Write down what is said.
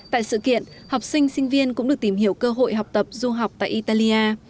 tại sự kiện học sinh sinh viên cũng được tìm hiểu cơ hội học tập du học tại italia